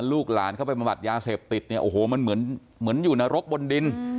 ลูกหลานเข้าไปประบัดยาเสพติดเนี่ยโอ้โหมันเหมือนอยู่นรกบนดิน